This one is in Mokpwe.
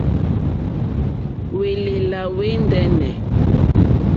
Hwèlèlà hwɛ̀ ndɛ́nɛ̀.